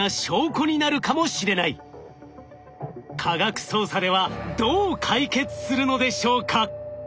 科学捜査ではどう解決するのでしょうか？